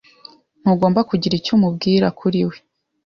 Ntugomba kugira icyo umubwira kuri we.